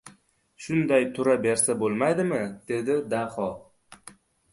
— Shunday tura bersa bo‘lmaydimi? — dedi Daho.